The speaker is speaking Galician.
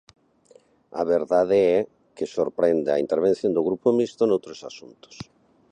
A verdade é que sorprende a intervención do Grupo Mixto noutros asuntos.